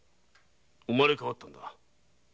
生まれ変わったのだ。